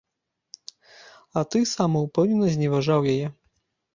А ты самаўпэўнена зневажаў яе.